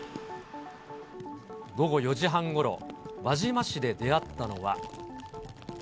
午後４時半ごろ、輪島市で出会ったのは。